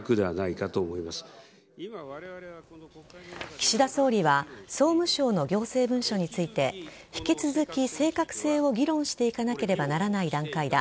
岸田総理は総務省の行政文書について引き続き正確性を議論していかなければならない段階だ。